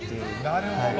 なるほど。